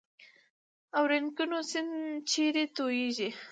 اورینوکو سیند چیرې تویږي؟